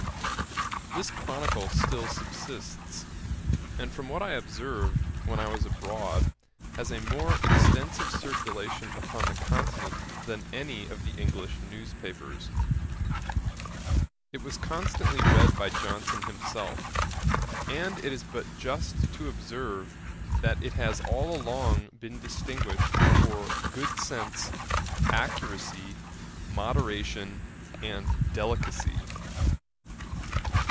This Chronicle still subsists, and from what I observed, when I was abroad, has a more extensive circulation upon the Continent than any of the English newspapers. It was constantly read by Johnson himself; and it is but just to observe, that it has all along been distinguished for good sense, accuracy, moderation, and delicacy.